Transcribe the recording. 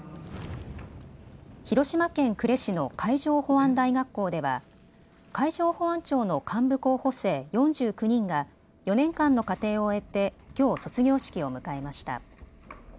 広島県呉市の海上保安大学校では海上保安庁の幹部候補生４９人が４年間の課程を終えてきょう卒業式を迎えました。